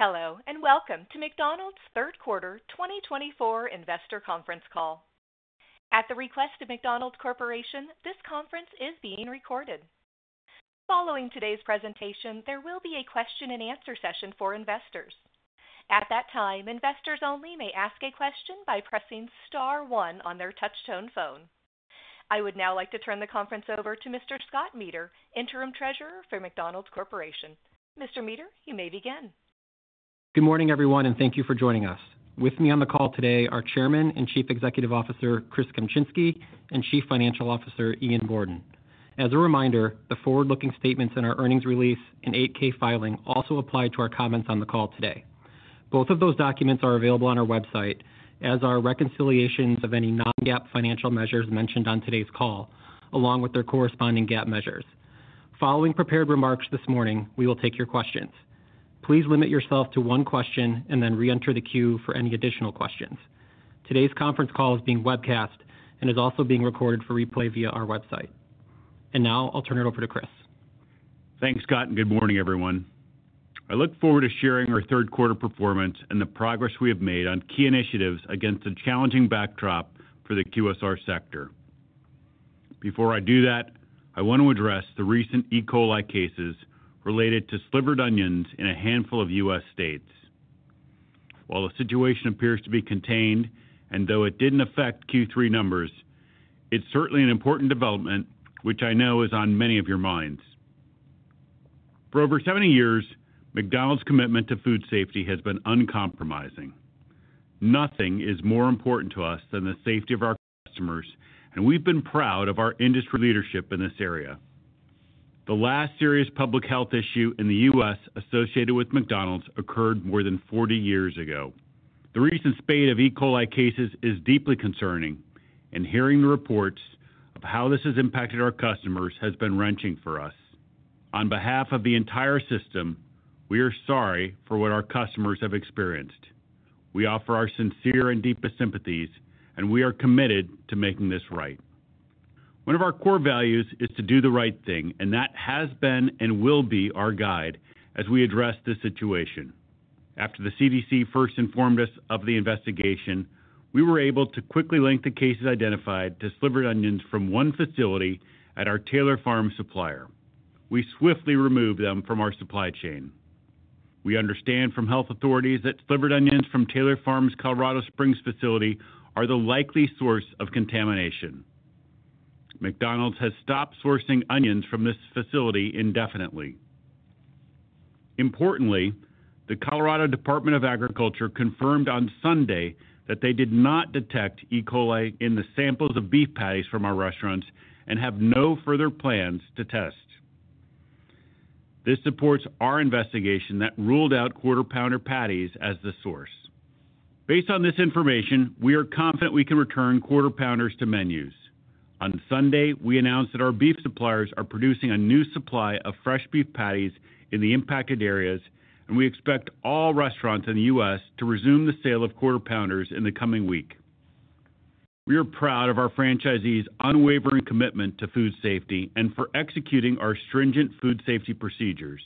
Hello, and welcome to McDonald's Third Quarter 2024 Investor Conference Call. At the request of McDonald's Corporation, this conference is being recorded. Following today's presentation, there will be a question-and-answer session for investors. At that time, investors only may ask a question by pressing Star 1 on their touch-tone phone. I would now like to turn the conference over to Mr. Scott Meader, Interim Treasurer for McDonald's Corporation. Mr. Meader, you may begin. Good morning, everyone, and thank you for joining us. With me on the call today are Chairman and Chief Executive Officer Chris Kempczinski and Chief Financial Officer Ian Borden. As a reminder, the forward-looking statements in our earnings release and 8-K filing also apply to our comments on the call today. Both of those documents are available on our website, as are reconciliations of any non-GAAP financial measures mentioned on today's call, along with their corresponding GAAP measures. Following prepared remarks this morning, we will take your questions. Please limit yourself to one question and then re-enter the queue for any additional questions. Today's conference call is being webcast and is also being recorded for replay via our website. And now, I'll turn it over to Chris. Thanks, Scott, and good morning, everyone. I look forward to sharing our third-quarter performance and the progress we have made on key initiatives against a challenging backdrop for the QSR sector. Before I do that, I want to address the recent E. coli cases related to slivered onions in a handful of U.S. states. While the situation appears to be contained, and though it didn't affect Q3 numbers, it's certainly an important development, which I know is on many of your minds. For over 70 years, McDonald's commitment to food safety has been uncompromising. Nothing is more important to us than the safety of our customers, and we've been proud of our industry leadership in this area. The last serious public health issue in the U.S. associated with McDonald's occurred more than 40 years ago. The recent spate of E. coli cases is deeply concerning, and hearing the reports of how this has impacted our customers has been wrenching for us. On behalf of the entire system, we are sorry for what our customers have experienced. We offer our sincere and deepest sympathies, and we are committed to making this right. One of our core values is to do the right thing, and that has been and will be our guide as we address this situation. After the CDC first informed us of the investigation, we were able to quickly link the cases identified to slivered onions from one facility at our Taylor Farms supplier. We swiftly removed them from our supply chain. We understand from health authorities that slivered onions from Taylor Farms' Colorado Springs facility are the likely source of contamination. McDonald's has stopped sourcing onions from this facility indefinitely. Importantly, the Colorado Department of Agriculture confirmed on Sunday that they did not detect E. coli in the samples of beef patties from our restaurants and have no further plans to test. This supports our investigation that ruled out Quarter Pounder patties as the source. Based on this information, we are confident we can return Quarter Pounders to menus. On Sunday, we announced that our beef suppliers are producing a new supply of fresh beef patties in the impacted areas, and we expect all restaurants in the U.S. to resume the sale of Quarter Pounders in the coming week. We are proud of our franchisees' unwavering commitment to food safety and for executing our stringent food safety procedures.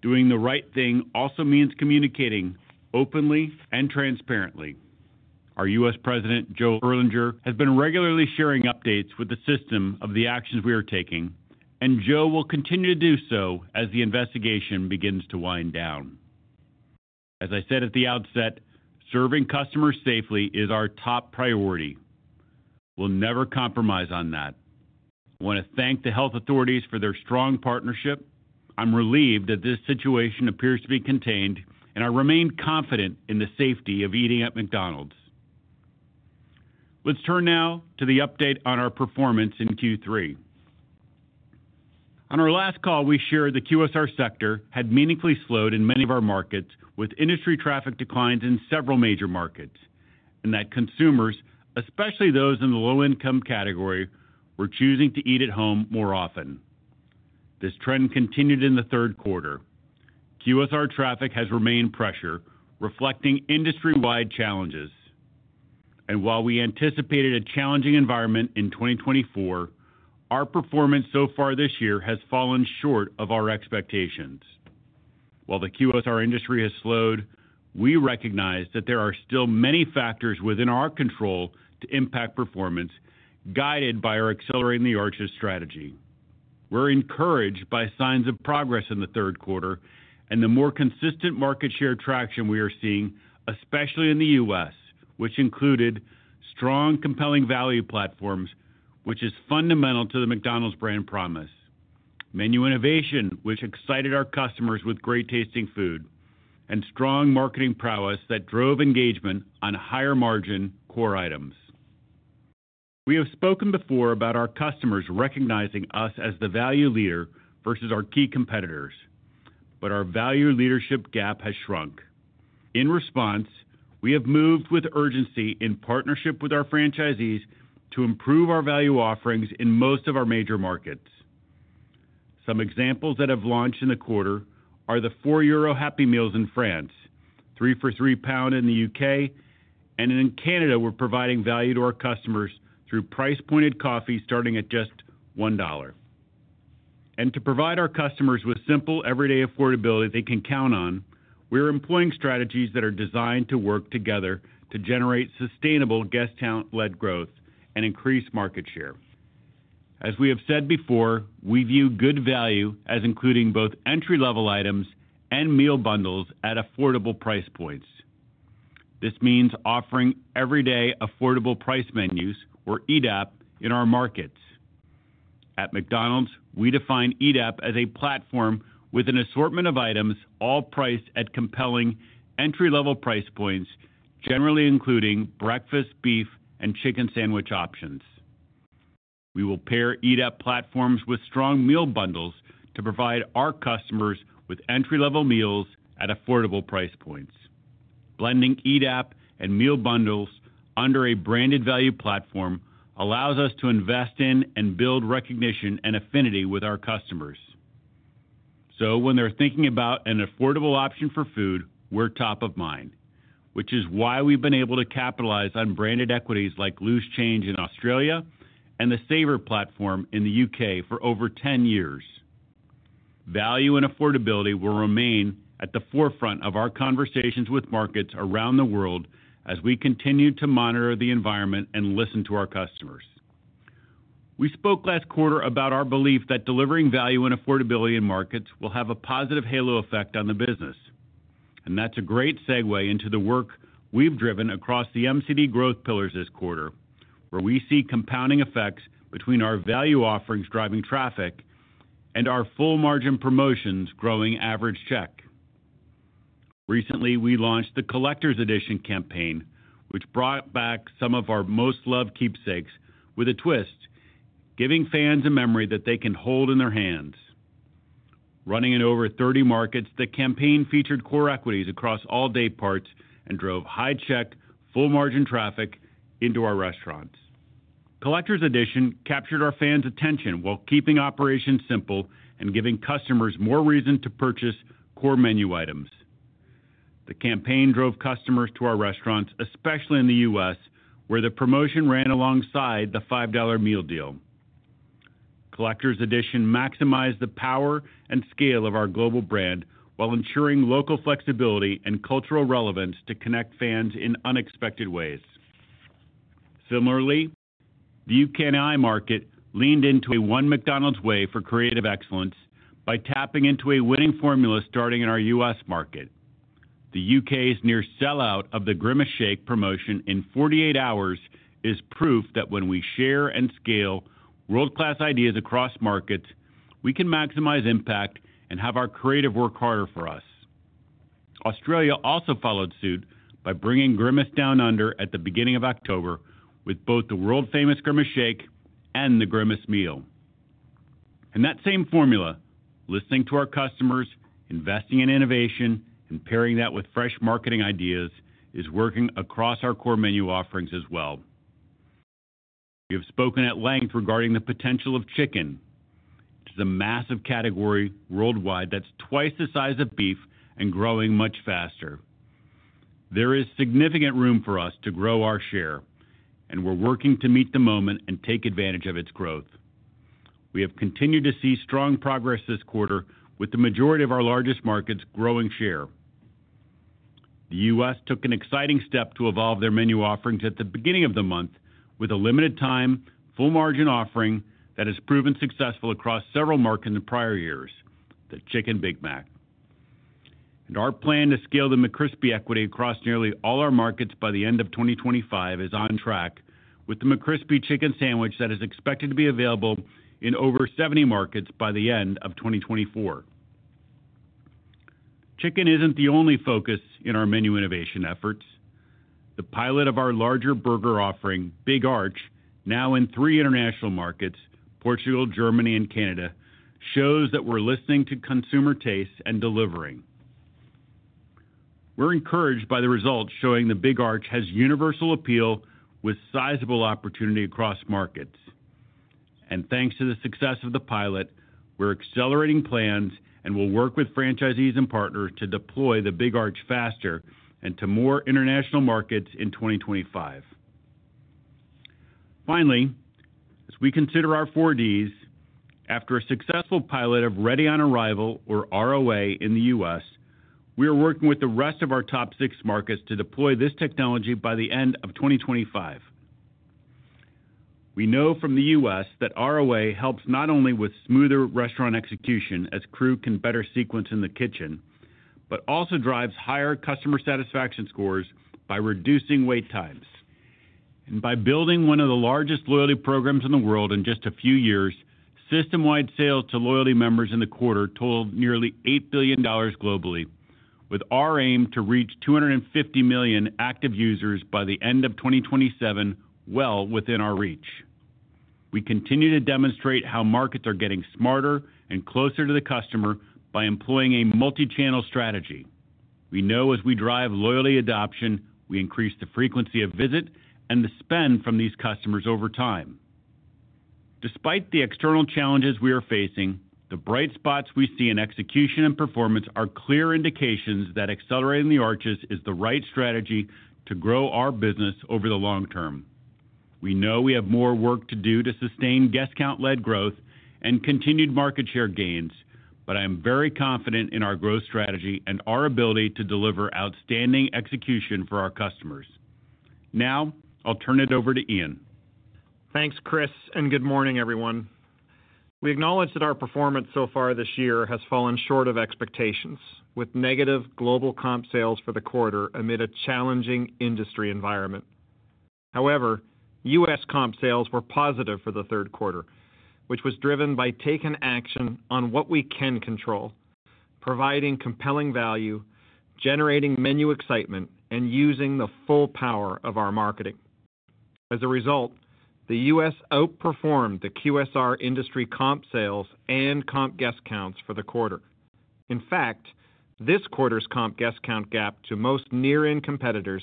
Doing the right thing also means communicating openly and transparently. Our U.S. President Joe Erlinger has been regularly sharing updates with the system of the actions we are taking, and Joe will continue to do so as the investigation begins to wind down. As I said at the outset, serving customers safely is our top priority. We'll never compromise on that. I want to thank the health authorities for their strong partnership. I'm relieved that this situation appears to be contained, and I remain confident in the safety of eating at McDonald's. Let's turn now to the update on our performance in Q3. On our last call, we shared the QSR sector had meaningfully slowed in many of our markets, with industry traffic declines in several major markets, and that consumers, especially those in the low-income category, were choosing to eat at home more often. This trend continued in the third quarter. QSR traffic has remained under pressure, reflecting industry-wide challenges. While we anticipated a challenging environment in 2024, our performance so far this year has fallen short of our expectations. While the QSR industry has slowed, we recognize that there are still many factors within our control to impact performance, guided by our Accelerating the Arches strategy. We're encouraged by signs of progress in the third quarter and the more consistent market share traction we are seeing, especially in the U.S., which included strong, compelling value platforms, which is fundamental to the McDonald's brand promise, menu innovation, which excited our customers with great-tasting food, and strong marketing prowess that drove engagement on higher-margin core items. We have spoken before about our customers recognizing us as the value leader versus our key competitors, but our value leadership gap has shrunk. In response, we have moved with urgency in partnership with our franchisees to improve our value offerings in most of our major markets. Some examples that have launched in the quarter are the 4 euro Happy Meals in France, 3 for 3 pound in the U.K., and in Canada, we're providing value to our customers through price-pointed coffee starting at just $1, and to provide our customers with simple, everyday affordability they can count on, we are employing strategies that are designed to work together to generate sustainable guest count-led growth and increase market share. As we have said before, we view good value as including both entry-level items and meal bundles at affordable price points. This means offering everyday affordable price menus, or EDAP, in our markets. At McDonald's, we define EDAP as a platform with an assortment of items all priced at compelling entry-level price points, generally including breakfast, beef, and chicken sandwich options. We will pair EDAP platforms with strong meal bundles to provide our customers with entry-level meals at affordable price points. Blending EDAP and meal bundles under a branded value platform allows us to invest in and build recognition and affinity with our customers, so when they're thinking about an affordable option for food, we're top of mind, which is why we've been able to capitalize on branded equities like Loose Change in Australia and the Saver platform in the U.K. for over 10 years. Value and affordability will remain at the forefront of our conversations with markets around the world as we continue to monitor the environment and listen to our customers. We spoke last quarter about our belief that delivering value and affordability in markets will have a positive halo effect on the business, and that's a great segue into the work we've driven across the MCD growth pillars this quarter, where we see compounding effects between our value offerings driving traffic and our full-margin promotions growing average check. Recently, we launched the Collector's Edition campaign, which brought back some of our most-loved keepsakes with a twist, giving fans a memory that they can hold in their hands. Running in over 30 markets, the campaign featured core equities across all day parts and drove high-check, full-margin traffic into our restaurants. Collector's Edition captured our fans' attention while keeping operations simple and giving customers more reason to purchase core menu items. The campaign drove customers to our restaurants, especially in the U.S., where the promotion ran alongside the $5 Meal Deal. Collector's Edition maximized the power and scale of our global brand while ensuring local flexibility and cultural relevance to connect fans in unexpected ways. Similarly, the UK and IOM market leaned into a One McDonald's Way for Creative Excellence by tapping into a winning formula starting in our U.S. market. The UK's near sellout of the Grimace Shake promotion in 48 hours is proof that when we share and scale world-class ideas across markets, we can maximize impact and have our creative work harder for us. Australia also followed suit by bringing Grimace Down Under at the beginning of October with both the world-famous Grimace Shake and the Grimace Meal. In that same formula, listening to our customers, investing in innovation, and pairing that with fresh marketing ideas is working across our core menu offerings as well. We have spoken at length regarding the potential of chicken. It is a massive category worldwide that's twice the size of beef and growing much faster. There is significant room for us to grow our share, and we're working to meet the moment and take advantage of its growth. We have continued to see strong progress this quarter, with the majority of our largest markets growing share. The U.S. took an exciting step to evolve their menu offerings at the beginning of the month with a limited-time, full-margin offering that has proven successful across several markets in prior years, the Chicken Big Mac, and our plan to scale the McCrispy equity across nearly all our markets by the end of 2025 is on track, with the McCrispy chicken sandwich that is expected to be available in over 70 markets by the end of 2024. Chicken isn't the only focus in our menu innovation efforts. The pilot of our larger burger offering, Big Arch, now in three international markets, Portugal, Germany, and Canada, shows that we're listening to consumer tastes and delivering. We're encouraged by the results showing the Big Arch has universal appeal with sizable opportunity across markets. And thanks to the success of the pilot, we're accelerating plans and will work with franchisees and partners to deploy the Big Arch faster and to more international markets in 2025. Finally, as we consider our 4Ds, after a successful pilot of Ready on Arrival, or ROA, in the U.S., we are working with the rest of our top six markets to deploy this technology by the end of 2025. We know from the U.S. that ROA helps not only with smoother restaurant execution, as crew can better sequence in the kitchen, but also drives higher customer satisfaction scores by reducing wait times. By building one of the largest loyalty programs in the world in just a few years, system-wide sales to loyalty members in the quarter totaled nearly $8 billion globally, with our aim to reach 250 million active users by the end of 2027 well within our reach. We continue to demonstrate how markets are getting smarter and closer to the customer by employing a multi-channel strategy. We know as we drive loyalty adoption, we increase the frequency of visit and the spend from these customers over time. Despite the external challenges we are facing, the bright spots we see in execution and performance are clear indications that Accelerating the Arches is the right strategy to grow our business over the long term. We know we have more work to do to sustain guest count-led growth and continued market share gains, but I am very confident in our growth strategy and our ability to deliver outstanding execution for our customers. Now, I'll turn it over to Ian. Thanks, Chris, and good morning, everyone. We acknowledge that our performance so far this year has fallen short of expectations, with negative global comp sales for the quarter amid a challenging industry environment. However, U.S. comp sales were positive for the third quarter, which was driven by taken action on what we can control, providing compelling value, generating menu excitement, and using the full power of our marketing. As a result, the U.S. outperformed the QSR industry comp sales and comp guest counts for the quarter. In fact, this quarter's comp guest count gap to most near-in competitors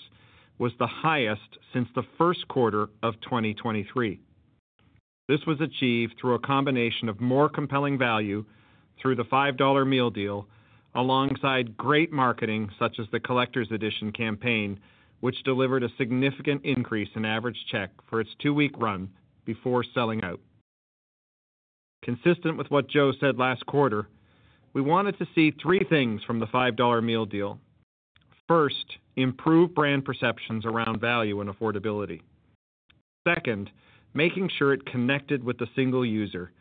was the highest since the first quarter of 2023. This was achieved through a combination of more compelling value through the $5 Meal Deal alongside great marketing such as the Collector's Edition campaign, which delivered a significant increase in average check for its two-week run before selling out. Consistent with what Joe said last quarter, we wanted to see three things from the $5 Meal Deal. First, improve brand perceptions around value and affordability. Second, making sure it connected with the single user,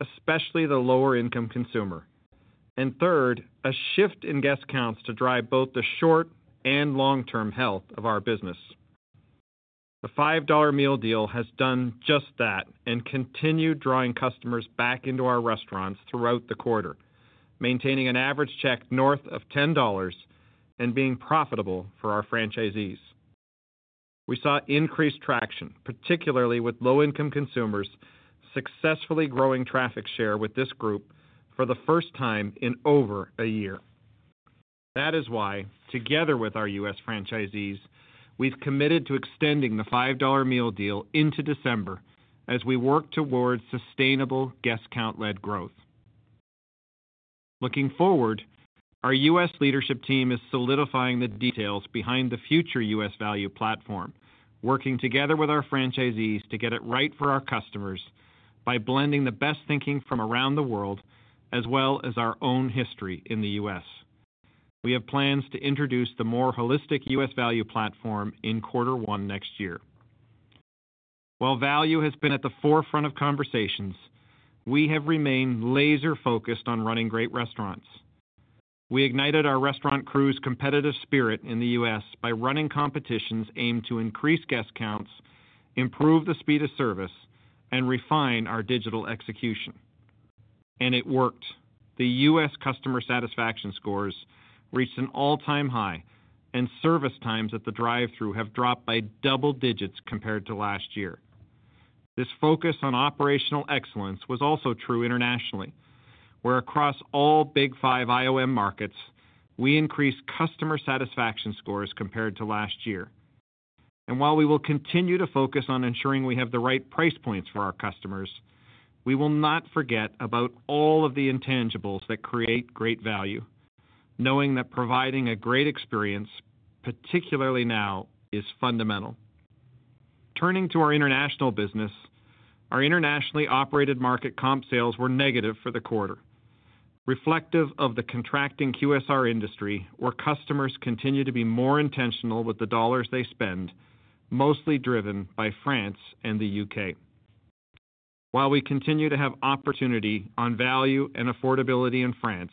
especially the lower-income consumer. And third, a shift in guest counts to drive both the short and long-term health of our business. The $5 Meal Deal has done just that and continued drawing customers back into our restaurants throughout the quarter, maintaining an average check north of $10 and being profitable for our franchisees. We saw increased traction, particularly with low-income consumers successfully growing traffic share with this group for the first time in over a year. That is why, together with our U.S. franchisees, we've committed to extending the $5 Meal Deal into December as we work towards sustainable guest count-led growth. Looking forward, our U.S. leadership team is solidifying the details behind the future U.S. value platform, working together with our franchisees to get it right for our customers by blending the best thinking from around the world as well as our own history in the U.S. We have plans to introduce the more holistic U.S. value platform in quarter one next year. While value has been at the forefront of conversations, we have remained laser-focused on running great restaurants. We ignited our restaurant crew's competitive spirit in the U.S. By running competitions aimed to increase guest counts, improve the speed of service, and refine our digital execution. It worked. The U.S. customer satisfaction scores reached an all-time high, and service times at the drive-thru have dropped by double digits compared to last year. This focus on operational excellence was also true internationally, where across all Big Five IOM markets, we increased customer satisfaction scores compared to last year. While we will continue to focus on ensuring we have the right price points for our customers, we will not forget about all of the intangibles that create great value, knowing that providing a great experience, particularly now, is fundamental. Turning to our international business, our internationally operated market comp sales were negative for the quarter, reflective of the contracting QSR industry where customers continue to be more intentional with the dollars they spend, mostly driven by France and the U.K. While we continue to have opportunity on value and affordability in France,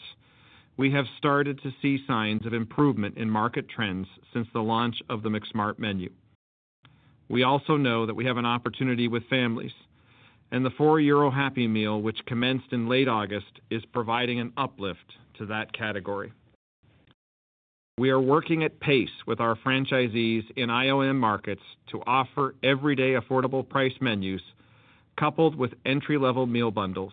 we have started to see signs of improvement in market trends since the launch of the McSmart menu. We also know that we have an opportunity with families, and the €4 Happy Meal, which commenced in late August, is providing an uplift to that category. We are working at pace with our franchisees in IOM markets to offer everyday affordable price menus coupled with entry-level meal bundles,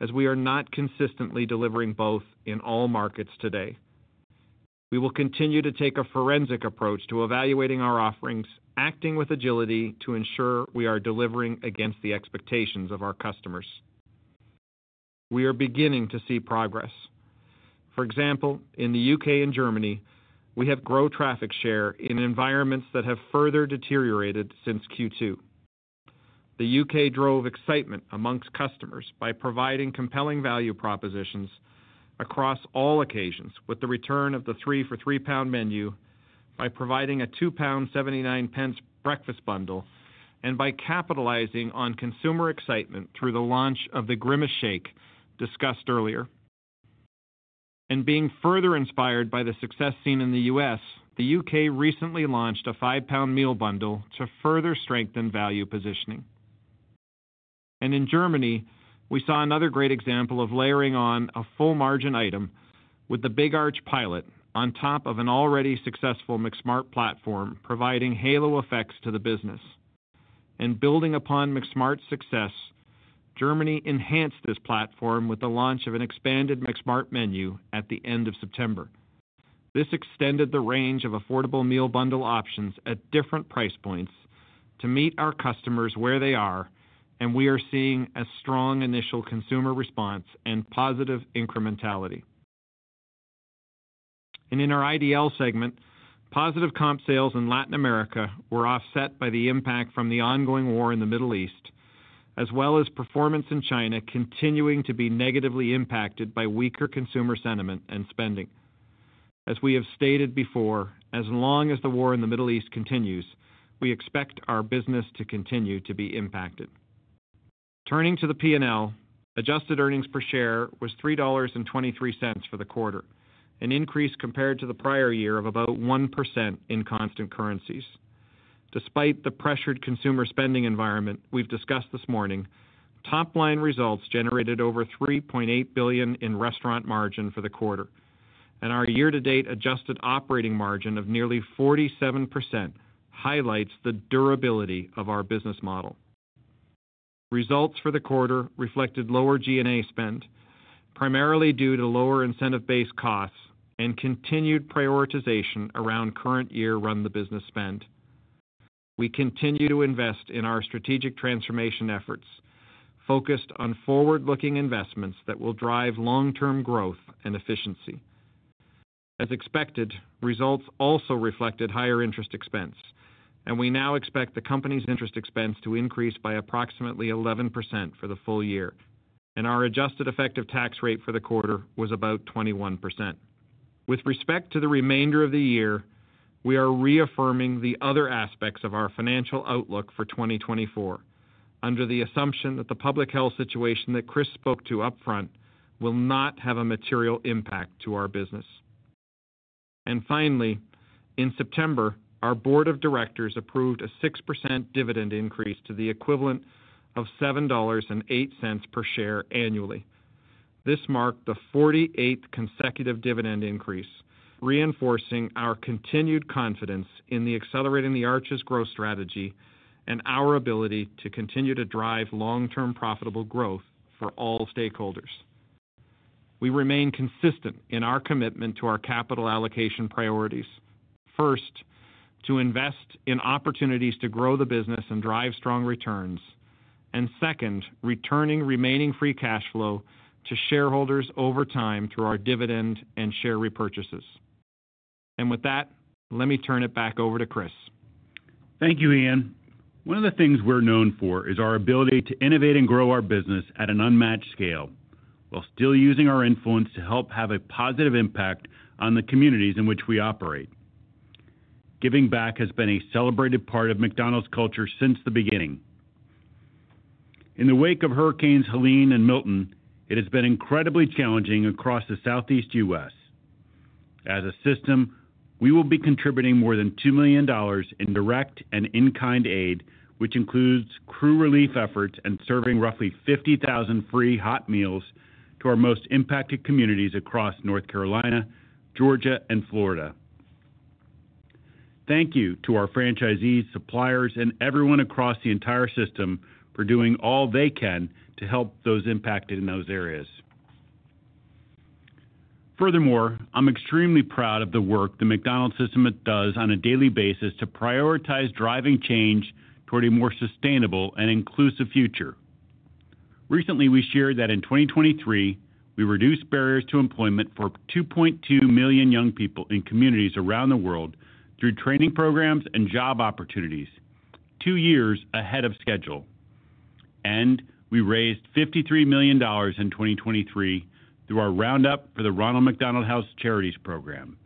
as we are not consistently delivering both in all markets today. We will continue to take a forensic approach to evaluating our offerings, acting with agility to ensure we are delivering against the expectations of our customers. We are beginning to see progress. For example, in the U.K. and Germany, we have grown traffic share in environments that have further deteriorated since Q2. The U.K. drove excitement among customers by providing compelling value propositions across all occasions with the return of the 3 for £3 menu, by providing a £2.79 breakfast bundle, and by capitalizing on consumer excitement through the launch of the Grimace Shake discussed earlier. And being further inspired by the success seen in the U.S., the U.K. recently launched a £5 meal bundle to further strengthen value positioning. In Germany, we saw another great example of layering on a full-margin item with the Big Arch pilot on top of an already successful McSmart platform, providing halo effects to the business. Building upon McSmart's success, Germany enhanced this platform with the launch of an expanded McSmart menu at the end of September. This extended the range of affordable meal bundle options at different price points to meet our customers where they are, and we are seeing a strong initial consumer response and positive incrementality. In our IDL segment, positive comp sales in Latin America were offset by the impact from the ongoing war in the Middle East, as well as performance in China continuing to be negatively impacted by weaker consumer sentiment and spending. As we have stated before, as long as the war in the Middle East continues, we expect our business to continue to be impacted. Turning to the P&L, adjusted earnings per share was $3.23 for the quarter, an increase compared to the prior year of about 1% in constant currencies. Despite the pressured consumer spending environment we've discussed this morning, top-line results generated over $3.8 billion in restaurant margin for the quarter, and our year-to-date adjusted operating margin of nearly 47% highlights the durability of our business model. Results for the quarter reflected lower G&A spend, primarily due to lower incentive-based costs and continued prioritization around current-year run-the-business spend. We continue to invest in our strategic transformation efforts, focused on forward-looking investments that will drive long-term growth and efficiency. As expected, results also reflected higher interest expense, and we now expect the company's interest expense to increase by approximately 11% for the full year, and our adjusted effective tax rate for the quarter was about 21%. With respect to the remainder of the year, we are reaffirming the other aspects of our financial outlook for 2024, under the assumption that the public health situation that Chris spoke to upfront will not have a material impact to our business. And finally, in September, our board of directors approved a 6% dividend increase to the equivalent of $7.08 per share annually. This marked the 48th consecutive dividend increase, reinforcing our continued confidence in the Accelerating the Arches growth strategy and our ability to continue to drive long-term profitable growth for all stakeholders. We remain consistent in our commitment to our capital allocation priorities: first, to invest in opportunities to grow the business and drive strong returns, and second, returning remaining free cash flow to shareholders over time through our dividend and share repurchases. And with that, let me turn it back over to Chris. Thank you, Ian. One of the things we're known for is our ability to innovate and grow our business at an unmatched scale while still using our influence to help have a positive impact on the communities in which we operate. Giving back has been a celebrated part of McDonald's culture since the beginning. In the wake of hurricanes Helene and Milton, it has been incredibly challenging across the Southeast U.S. As a system, we will be contributing more than $2 million in direct and in-kind aid, which includes crew relief efforts and serving roughly 50,000 free hot meals to our most impacted communities across North Carolina, Georgia, and Florida. Thank you to our franchisees, suppliers, and everyone across the entire system for doing all they can to help those impacted in those areas. Furthermore, I'm extremely proud of the work the McDonald's system does on a daily basis to prioritize driving change toward a more sustainable and inclusive future. Recently, we shared that in 2023, we reduced barriers to employment for 2.2 million young people in communities around the world through training programs and job opportunities, two years ahead of schedule. And we raised $53 million in 2023 through our roundup for the Ronald McDonald House Charities program.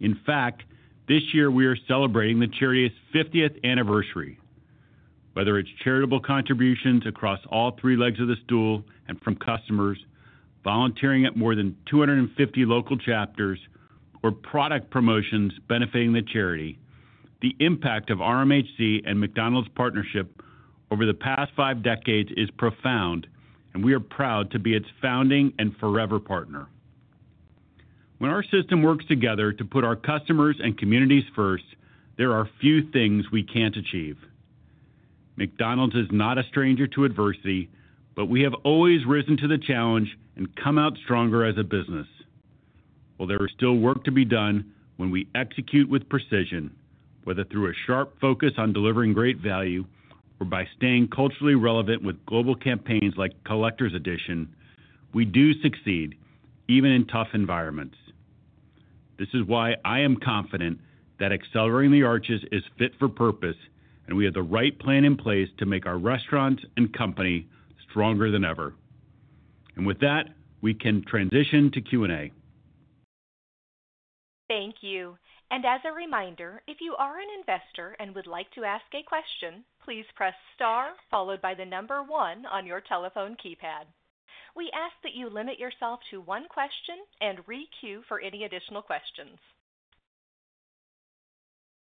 In fact, this year, we are celebrating the charity's 50th anniversary. Whether it's charitable contributions across all three legs of the stool and from customers, volunteering at more than 250 local chapters, or product promotions benefiting the charity, the impact of RMHC and McDonald's partnership over the past five decades is profound, and we are proud to be its founding and forever partner. When our system works together to put our customers and communities first, there are few things we can't achieve. McDonald's is not a stranger to adversity, but we have always risen to the challenge and come out stronger as a business. While there is still work to be done, when we execute with precision, whether through a sharp focus on delivering great value or by staying culturally relevant with global campaigns like Collector's Edition, we do succeed, even in tough environments. This is why I am confident that Accelerating the Arches is fit for purpose, and we have the right plan in place to make our restaurants and company stronger than ever. And with that, we can transition to Q&A. Thank you. And as a reminder, if you are an investor and would like to ask a question, please press star followed by the number one on your telephone keypad. We ask that you limit yourself to one question and re-queue for any additional questions.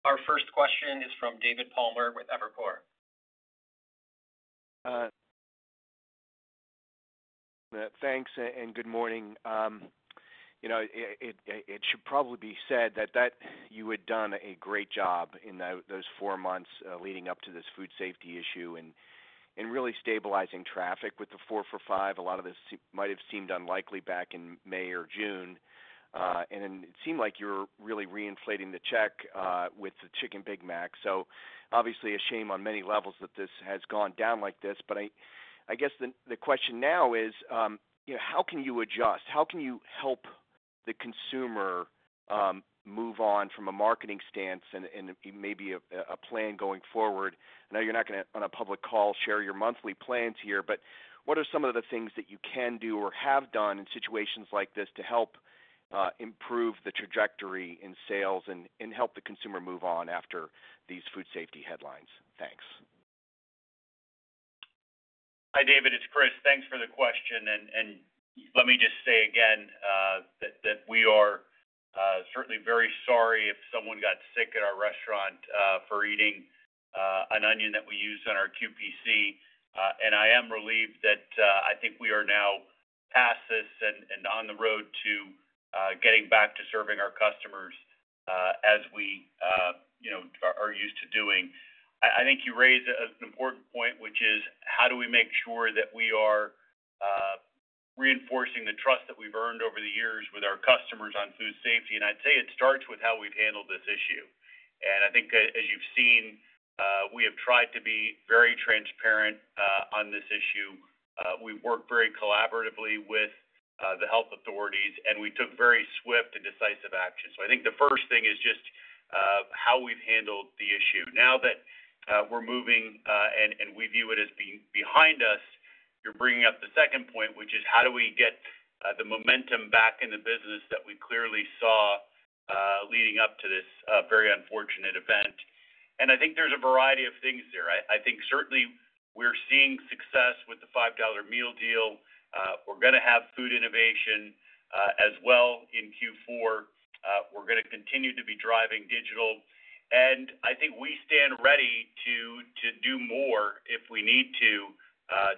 Our first question is from David Palmer with Evercore. Thanks and good morning. It should probably be said that you had done a great job in those four months leading up to this food safety issue and really stabilizing traffic with the four-for-five. A lot of this might have seemed unlikely back in May or June, and it seemed like you were really reinflating the check with the Chicken Big Mac. So obviously, a shame on many levels that this has gone down like this. But I guess the question now is, how can you adjust? How can you help the consumer move on from a marketing stance and maybe a plan going forward? I know you're not going to, on a public call, share your monthly plans here, but what are some of the things that you can do or have done in situations like this to help improve the trajectory in sales and help the consumer move on after these food safety headlines? Thanks. Hi, David. It's Chris. Thanks for the question. And let me just say again that we are certainly very sorry if someone got sick at our restaurant for eating an onion that we use on our QPC. And I am relieved that I think we are now past this and on the road to getting back to serving our customers as we are used to doing. I think you raise an important point, which is, how do we make sure that we are reinforcing the trust that we've earned over the years with our customers on food safety? And I'd say it starts with how we've handled this issue. And I think, as you've seen, we have tried to be very transparent on this issue. We've worked very collaboratively with the health authorities, and we took very swift and decisive action. So I think the first thing is just how we've handled the issue. Now that we're moving and we view it as being behind us, you're bringing up the second point, which is, how do we get the momentum back in the business that we clearly saw leading up to this very unfortunate event? And I think there's a variety of things there. I think certainly we're seeing success with the $5 Meal Deal. We're going to have food innovation as well in Q4. We're going to continue to be driving digital. And I think we stand ready to do more if we need to,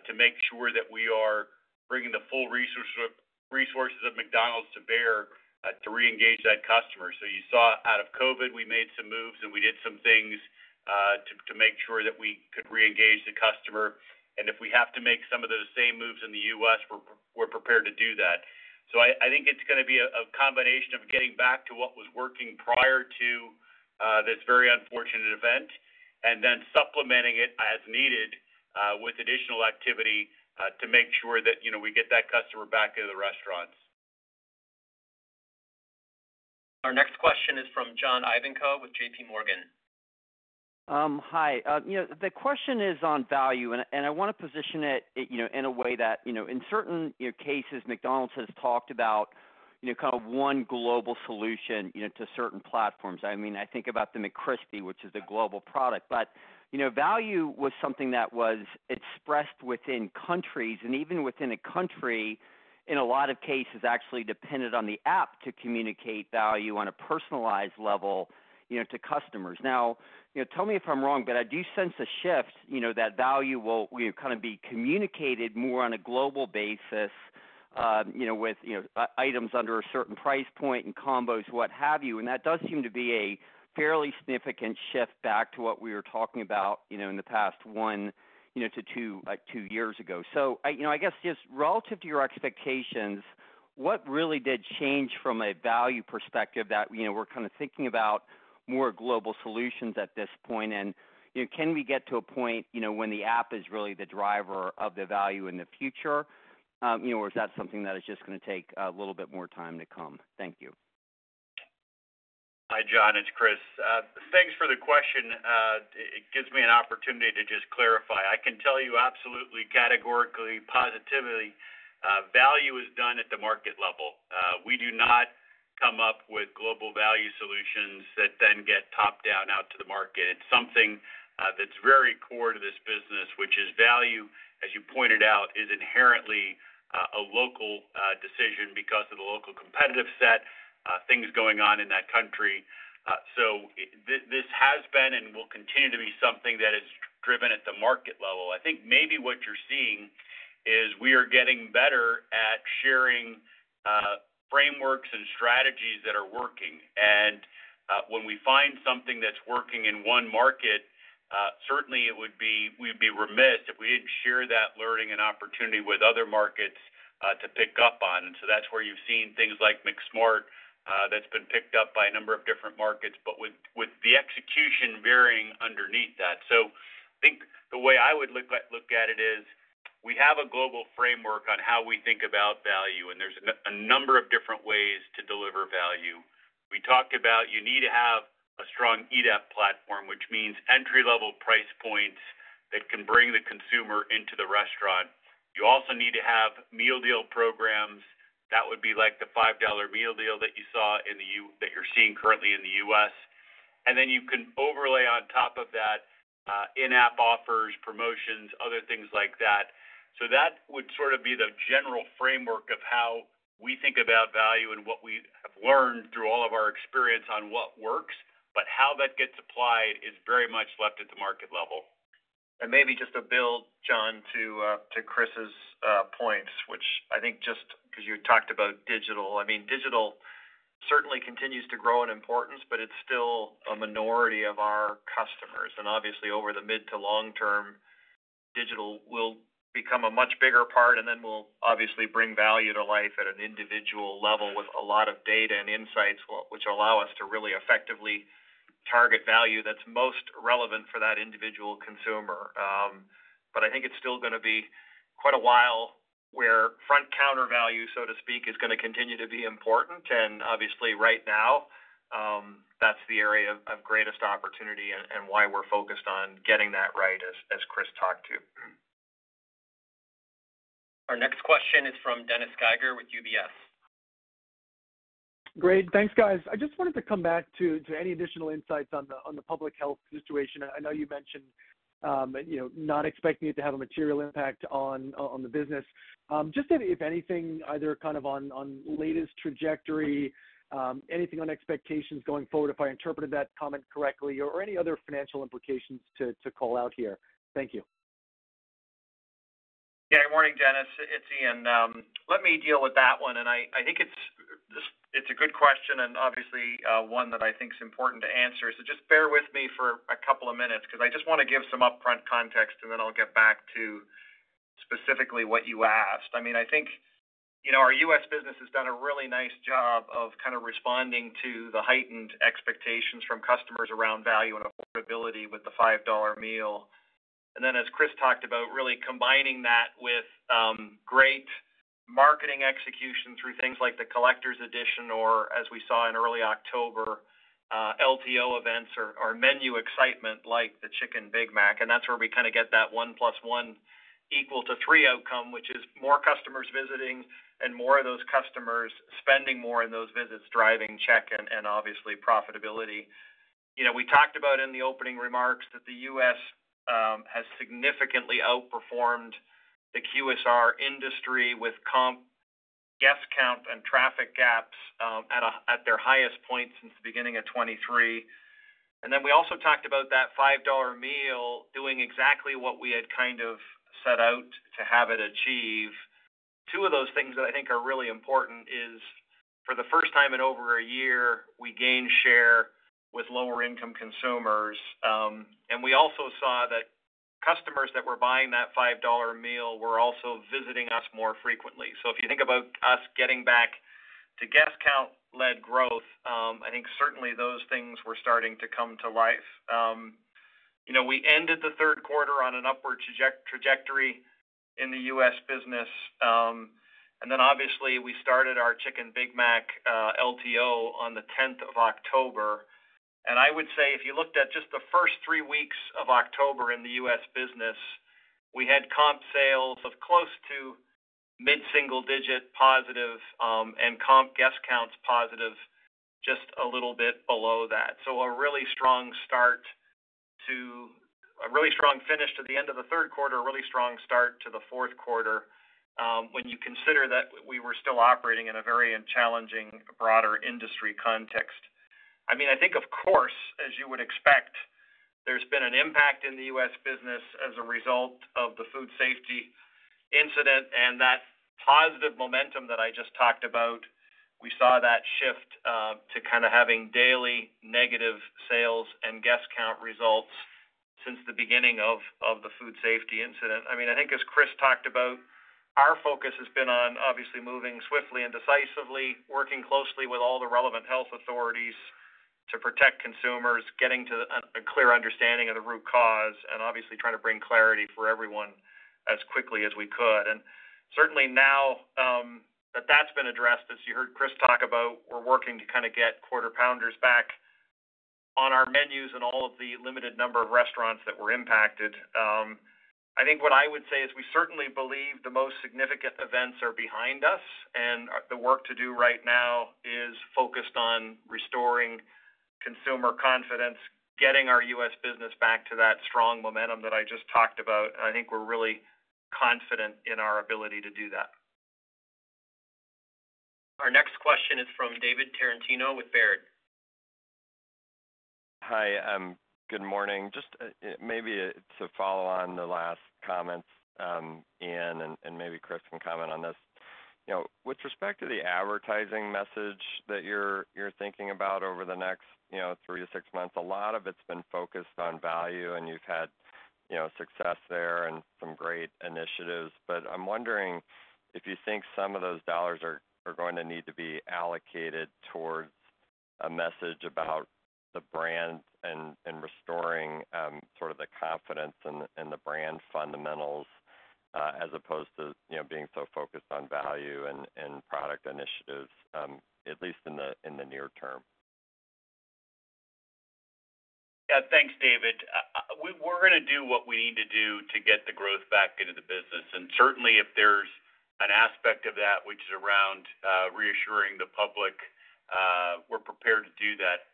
to make sure that we are bringing the full resources of McDonald's to bear to reengage that customer, so you saw out of COVID, we made some moves, and we did some things to make sure that we could reengage the customer. And if we have to make some of those same moves in the U.S., we're prepared to do that. So I think it's going to be a combination of getting back to what was working prior to this very unfortunate event and then supplementing it as needed with additional activity to make sure that we get that customer back into the restaurants. Our next question is from John Ivanko with JPMorgan. Hi. The question is on value, and I want to position it in a way that, in certain cases, McDonald's has talked about kind of one global solution to certain platforms. I mean, I think about the McCrispy, which is a global product, but value was something that was expressed within countries, and even within a country, in a lot of cases, actually depended on the app to communicate value on a personalized level to customers. Now, tell me if I'm wrong, but I do sense a shift that value will kind of be communicated more on a global basis with items under a certain price point and combos, what have you. And that does seem to be a fairly significant shift back to what we were talking about in the past one to two years ago. So I guess just relative to your expectations, what really did change from a value perspective that we're kind of thinking about more global solutions at this point? And can we get to a point when the app is really the driver of the value in the future, or is that something that is just going to take a little bit more time to come? Thank you. Hi, John. It's Chris. Thanks for the question. It gives me an opportunity to just clarify. I can tell you absolutely, categorically, positively, value is done at the market level. We do not come up with global value solutions that then get top-down out to the market. It's something that's very core to this business, which is value, as you pointed out, is inherently a local decision because of the local competitive set, things going on in that country. So this has been and will continue to be something that is driven at the market level. I think maybe what you're seeing is we are getting better at sharing frameworks and strategies that are working. And when we find something that's working in one market, certainly we'd be remiss if we didn't share that learning and opportunity with other markets to pick up on. And so that's where you've seen things like McSmart that's been picked up by a number of different markets, but with the execution varying underneath that. So I think the way I would look at it is we have a global framework on how we think about value, and there's a number of different ways to deliver value. We talked about you need to have a strong EDAP platform, which means entry-level price points that can bring the consumer into the restaurant. You also need to have meal deal programs. That would be like the $5 Meal Deal that you saw that you're seeing currently in the U.S. And then you can overlay on top of that in-app offers, promotions, other things like that. That would sort of be the general framework of how we think about value and what we have learned through all of our experience on what works, but how that gets applied is very much left at the market level. And maybe just to build, John, to Chris's points, which I think just because you talked about digital, I mean, digital certainly continues to grow in importance, but it's still a minority of our customers. And obviously, over the mid to long term, digital will become a much bigger part, and then we'll obviously bring value to life at an individual level with a lot of data and insights, which allow us to really effectively target value that's most relevant for that individual consumer. But I think it's still going to be quite a while where front-counter value, so to speak, is going to continue to be important. And obviously, right now, that's the area of greatest opportunity and why we're focused on getting that right, as Chris talked to. Our next question is from Dennis Geiger with UBS. Great. Thanks, guys. I just wanted to come back to any additional insights on the public health situation. I know you mentioned not expecting it to have a material impact on the business. Just if anything, either kind of on latest trajectory, anything on expectations going forward, if I interpreted that comment correctly, or any other financial implications to call out here? Thank you. Yeah. Good morning, Dennis. It's Ian. Let me deal with that one. And I think it's a good question and obviously one that I think is important to answer. So just bear with me for a couple of minutes because I just want to give some upfront context, and then I'll get back to specifically what you asked. I mean, I think our U.S. business has done a really nice job of kind of responding to the heightened expectations from customers around value and affordability with the $5 meal. And then, as Chris talked about, really combining that with great marketing execution through things like the Collector's Edition or, as we saw in early October, LTO events or menu excitement like the Chicken Big Mac. And that's where we kind of get that one plus one equal to three outcome, which is more customers visiting and more of those customers spending more in those visits, driving check and obviously profitability. We talked about in the opening remarks that the U.S. has significantly outperformed the QSR industry with comp, guest count, and traffic gaps at their highest point since the beginning of 2023. And then we also talked about that $5 meal doing exactly what we had kind of set out to have it achieve. Two of those things that I think are really important is, for the first time in over a year, we gained share with lower-income consumers. And we also saw that customers that were buying that $5 meal were also visiting us more frequently. So if you think about us getting back to guest count-led growth, I think certainly those things were starting to come to life. We ended the third quarter on an upward trajectory in the U.S. business. And then, obviously, we started our Chicken Big Mac LTO on the 10th of October. I would say, if you looked at just the first three weeks of October in the U.S. business, we had comp sales of close to mid-single-digit positive and comp guest counts positive just a little bit below that. So a really strong start to a really strong finish to the end of the third quarter, a really strong start to the fourth quarter when you consider that we were still operating in a very challenging broader industry context. I mean, of course, as you would expect, there's been an impact in the U.S. business as a result of the food safety incident and that positive momentum that I just talked about. We saw that shift to kind of having daily negative sales and guest count results since the beginning of the food safety incident. I mean, I think, as Chris talked about, our focus has been on obviously moving swiftly and decisively, working closely with all the relevant health authorities to protect consumers, getting to a clear understanding of the root cause, and obviously trying to bring clarity for everyone as quickly as we could, and certainly now that that's been addressed, as you heard Chris talk about, we're working to kind of get Quarter Pounders back on our menus and all of the limited number of restaurants that were impacted. I think what I would say is we certainly believe the most significant events are behind us, and the work to do right now is focused on restoring consumer confidence, getting our U.S. business back to that strong momentum that I just talked about, and I think we're really confident in our ability to do that. Our next question is from David Tarantino with Baird. Hi. Good morning. Just maybe to follow on the last comments, Ian, and maybe Chris can comment on this. With respect to the advertising message that you're thinking about over the next three to six months, a lot of it's been focused on value, and you've had success there and some great initiatives. But I'm wondering if you think some of those dollars are going to need to be allocated towards a message about the brand and restoring sort of the confidence in the brand fundamentals as opposed to being so focused on value and product initiatives, at least in the near term? Yeah. Thanks, David. We're going to do what we need to do to get the growth back into the business. And certainly, if there's an aspect of that, which is around reassuring the public, we're prepared to do that.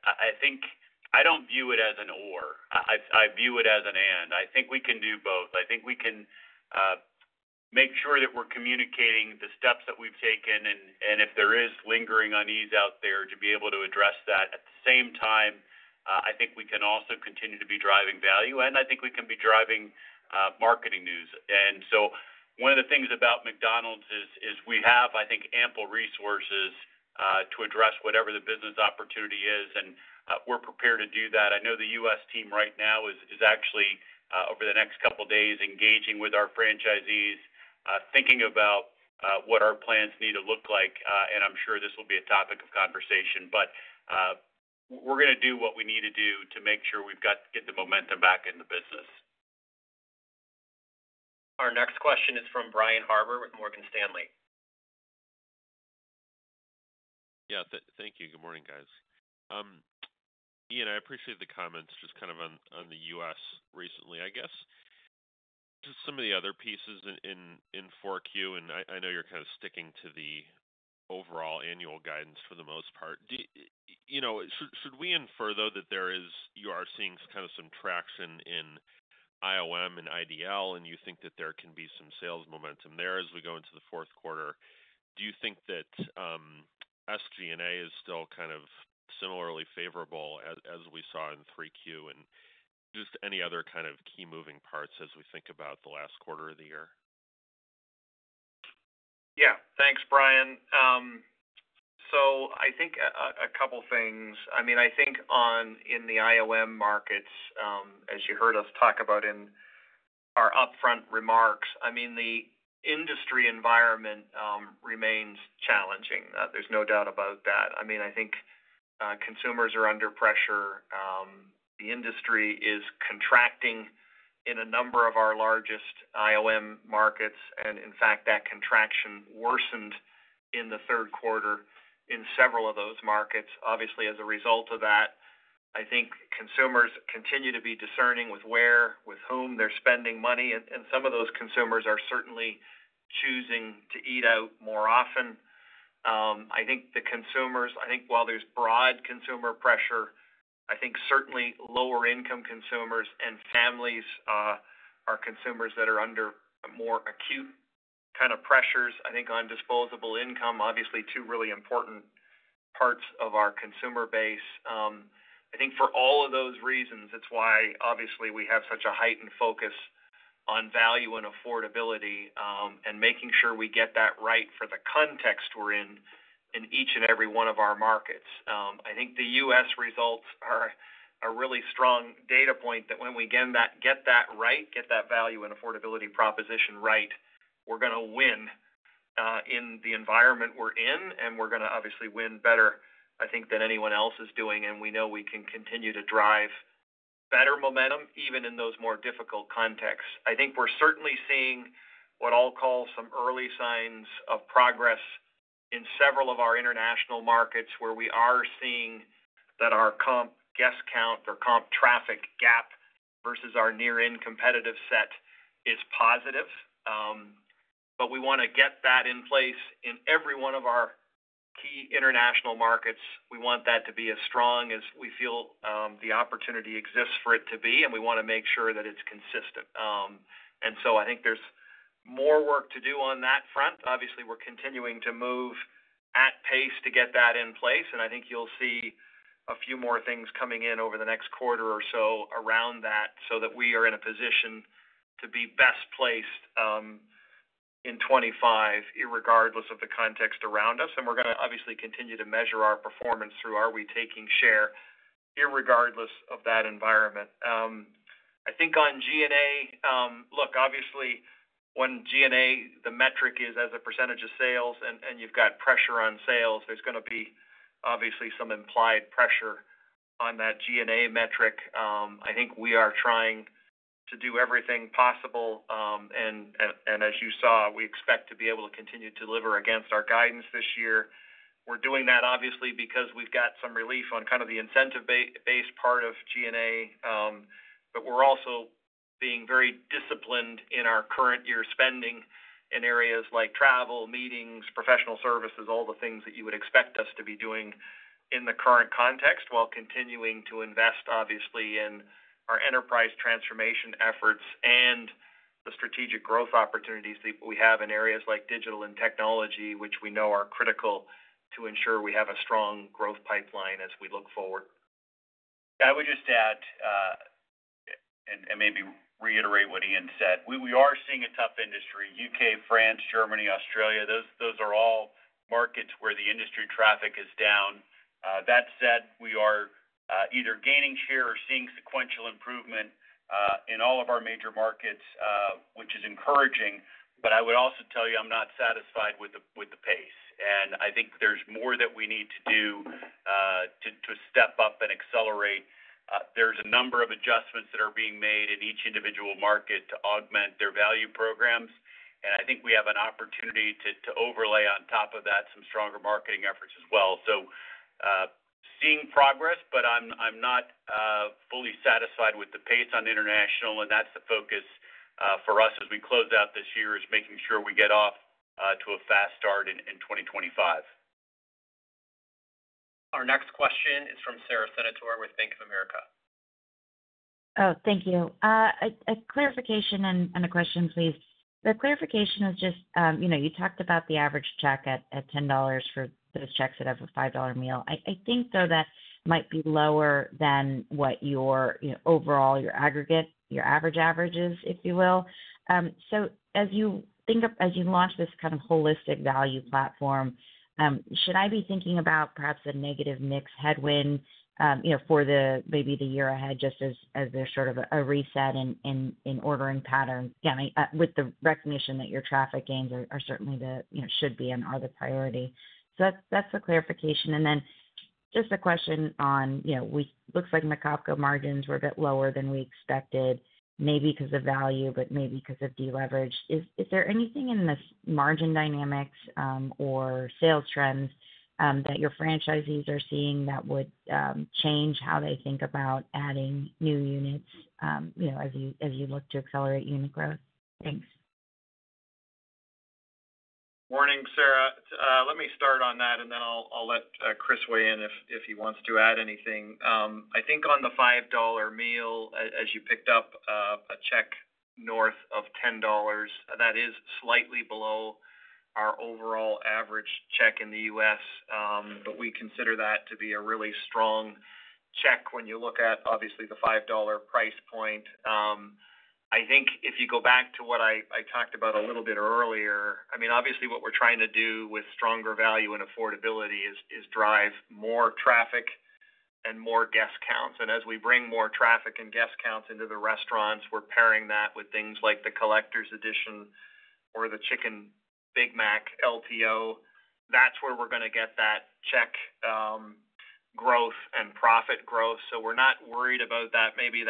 I don't view it as an or. I view it as an and. I think we can do both. I think we can make sure that we're communicating the steps that we've taken, and if there is lingering unease out there, to be able to address that. At the same time, I think we can also continue to be driving value, and I think we can be driving marketing news. And so one of the things about McDonald's is we have, I think, ample resources to address whatever the business opportunity is, and we're prepared to do that. I know the U.S. team right now is actually, over the next couple of days, engaging with our franchisees, thinking about what our plans need to look like. I'm sure this will be a topic of conversation, but we're going to do what we need to do to make sure we get the momentum back in the business. Our next question is from Brian Harbour with Morgan Stanley. Yeah. Thank you. Good morning, guys. Ian, I appreciate the comments just kind of on the U.S. recently. I guess just some of the other pieces in 4Q, and I know you're kind of sticking to the overall annual guidance for the most part. Should we infer, though, that you are seeing kind of some traction in IOM and IDL, and you think that there can be some sales momentum there as we go into the fourth quarter? Do you think that SG&A is still kind of similarly favorable as we saw in 3Q and just any other kind of key moving parts as we think about the last quarter of the year? Yeah. Thanks, Brian. So I think a couple of things. I mean, I think in the IOM markets, as you heard us talk about in our upfront remarks, I mean, the industry environment remains challenging. There's no doubt about that. I mean, I think consumers are under pressure. The industry is contracting in a number of our largest IOM markets. And in fact, that contraction worsened in the third quarter in several of those markets. Obviously, as a result of that, I think consumers continue to be discerning with where, with whom they're spending money. And some of those consumers are certainly choosing to eat out more often. I think the consumers, I think while there's broad consumer pressure, I think certainly lower-income consumers and families are consumers that are under more acute kind of pressures, I think, on disposable income, obviously two really important parts of our consumer base. I think for all of those reasons, it's why obviously we have such a heightened focus on value and affordability and making sure we get that right for the context we're in in each and every one of our markets. I think the U.S. results are a really strong data point that when we get that right, get that value and affordability proposition right, we're going to win in the environment we're in, and we're going to obviously win better, I think, than anyone else is doing, and we know we can continue to drive better momentum even in those more difficult contexts. I think we're certainly seeing what I'll call some early signs of progress in several of our international markets where we are seeing that our comp guest count or comp traffic gap versus our near-end competitive set is positive. But we want to get that in place in every one of our key international markets. We want that to be as strong as we feel the opportunity exists for it to be, and we want to make sure that it's consistent. And so I think there's more work to do on that front. Obviously, we're continuing to move at pace to get that in place. And I think you'll see a few more things coming in over the next quarter or so around that so that we are in a position to be best placed in 2025 irregardless of the context around us. We're going to obviously continue to measure our performance through are we taking share regardless of that environment. I think on G&A, look, obviously when G&A, the metric is as a percentage of sales, and you've got pressure on sales, there's going to be obviously some implied pressure on that G&A metric. I think we are trying to do everything possible. As you saw, we expect to be able to continue to deliver against our guidance this year. We're doing that obviously because we've got some relief on kind of the incentive-based part of G&A, but we're also being very disciplined in our current year spending in areas like travel, meetings, professional services, all the things that you would expect us to be doing in the current context while continuing to invest, obviously, in our enterprise transformation efforts and the strategic growth opportunities that we have in areas like digital and technology, which we know are critical to ensure we have a strong growth pipeline as we look forward. I would just add and maybe reiterate what Ian said. We are seeing a tough industry. UK, France, Germany, Australia, those are all markets where the industry traffic is down. That said, we are either gaining share or seeing sequential improvement in all of our major markets, which is encouraging. But I would also tell you I'm not satisfied with the pace. And I think there's more that we need to do to step up and accelerate. There's a number of adjustments that are being made in each individual market to augment their value programs. And I think we have an opportunity to overlay on top of that some stronger marketing efforts as well. So seeing progress, but I'm not fully satisfied with the pace on international. And that's the focus for us as we close out this year, is making sure we get off to a fast start in 2025. Our next question is from Sara Senatore with Bank of America. Oh, thank you. A clarification and a question, please. The clarification is just you talked about the average check at $10 for those checks that have a $5 meal. I think, though, that might be lower than what your overall, your aggregate, your average average is, if you will. So as you think of as you launch this kind of holistic value platform, should I be thinking about perhaps a negative mix headwind for maybe the year ahead just as there's sort of a reset in ordering pattern? Yeah, with the recognition that your traffic gains are certainly the should be and are the priority. So that's the clarification. And then just a question on looks like McOpCo's margins were a bit lower than we expected, maybe because of value, but maybe because of deleveraged. Is there anything in the margin dynamics or sales trends that your franchisees are seeing that would change how they think about adding new units as you look to accelerate unit growth? Thanks. Morning, Sara. Let me start on that, and then I'll let Chris weigh in if he wants to add anything. I think on the $5 meal, as you picked up a check north of $10, that is slightly below our overall average check in the U.S. But we consider that to be a really strong check when you look at, obviously, the $5 price point. I think if you go back to what I talked about a little bit earlier, I mean, obviously, what we're trying to do with stronger value and affordability is drive more traffic and more guest counts. And as we bring more traffic and guest counts into the restaurants, we're pairing that with things like the Collector's Edition or the Chicken Big Mac LTO. That's where we're going to get that check growth and profit growth. So we're not worried about that, maybe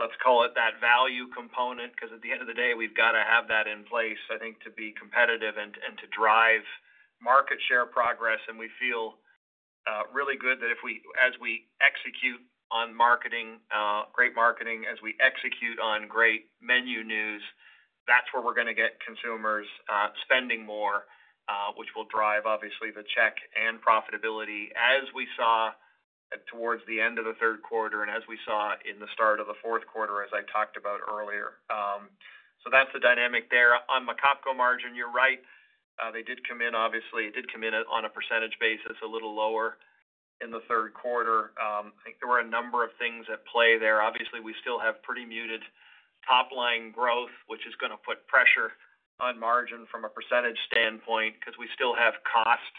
that, let's call it that value component, because at the end of the day, we've got to have that in place, I think, to be competitive and to drive market share progress. And we feel really good that as we execute on marketing, great marketing, as we execute on great menu news, that's where we're going to get consumers spending more, which will drive, obviously, the check and profitability as we saw towards the end of the third quarter and as we saw in the start of the fourth quarter, as I talked about earlier. So that's the dynamic there. On McOpCo margin, you're right. They did come in, obviously. It did come in on a percentage basis a little lower in the third quarter. I think there were a number of things at play there. Obviously, we still have pretty muted top-line growth, which is going to put pressure on margin from a percentage standpoint because we still have cost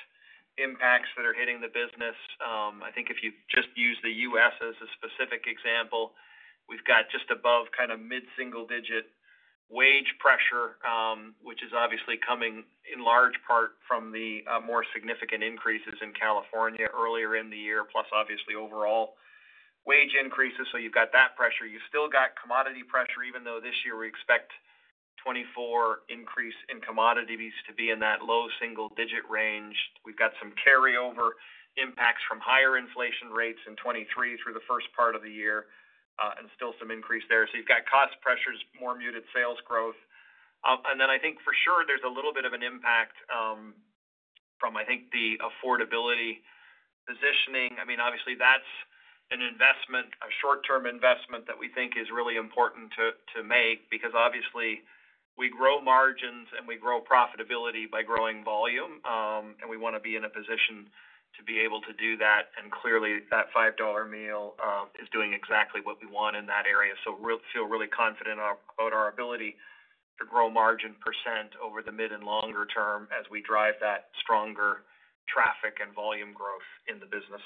impacts that are hitting the business. I think if you just use the U.S. as a specific example, we've got just above kind of mid-single-digit wage pressure, which is obviously coming in large part from the more significant increases in California earlier in the year, plus obviously overall wage increases. So you've got that pressure. You've still got commodity pressure, even though this year we expect 2024 increase in commodities to be in that low single-digit range. We've got some carryover impacts from higher inflation rates in 2023 through the first part of the year and still some increase there. So you've got cost pressures, more muted sales growth. And then I think for sure there's a little bit of an impact from, I think, the affordability positioning. I mean, obviously, that's an investment, a short-term investment that we think is really important to make because obviously we grow margins and we grow profitability by growing volume, and we want to be in a position to be able to do that. And clearly, that $5 meal is doing exactly what we want in that area. So feel really confident about our ability to grow margin % over the mid and longer term as we drive that stronger traffic and volume growth in the business.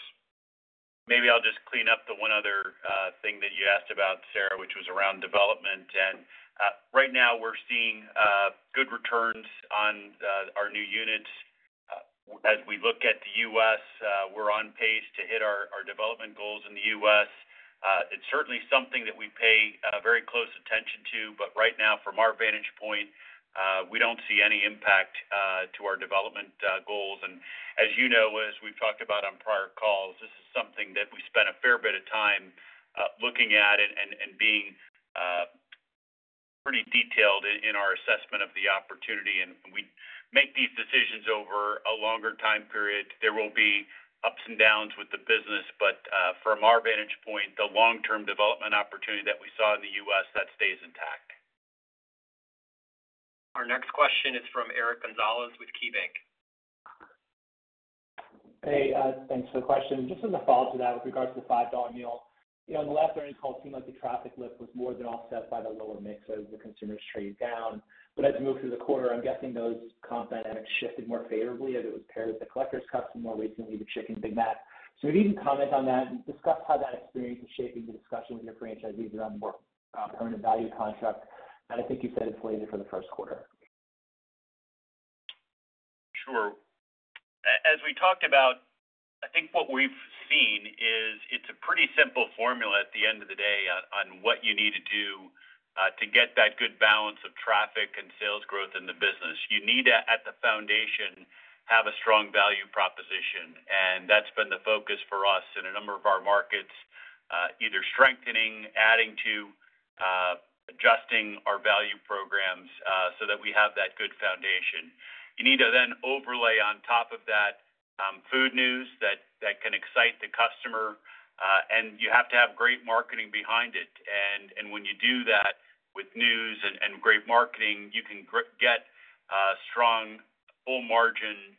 Maybe I'll just clean up the one other thing that you asked about, Sara, which was around development. And right now, we're seeing good returns on our new units. As we look at the U.S., we're on pace to hit our development goals in the U.S. It's certainly something that we pay very close attention to. But right now, from our vantage point, we don't see any impact to our development goals. And as you know, as we've talked about on prior calls, this is something that we spent a fair bit of time looking at and being pretty detailed in our assessment of the opportunity. And we make these decisions over a longer time period. There will be ups and downs with the business, but from our vantage point, the long-term development opportunity that we saw in the U.S., that stays intact. Our next question is from Eric Gonzalez with KeyBanc. Hey, thanks for the question. Just as a follow-up to that with regards to the $5 meal, on the left-hand column, it seemed like the traffic lift was more than offset by the lower mix as the consumers trade down. But as we move through the quarter, I'm guessing those comp dynamics shifted more favorably as it was paired with the Collector's Edition more recently, the Chicken Big Mac. So maybe you can comment on that and discuss how that experience is shaping the discussion with your franchisees around the permanent value contract. And I think you said it's later for the first quarter. Sure. As we talked about, I think what we've seen is it's a pretty simple formula at the end of the day on what you need to do to get that good balance of traffic and sales growth in the business. You need to, at the foundation, have a strong value proposition, and that's been the focus for us in a number of our markets, either strengthening, adding to, adjusting our value programs so that we have that good foundation. You need to then overlay on top of that food news that can excite the customer, and you have to have great marketing behind it, and when you do that with news and great marketing, you can get a strong, full-margin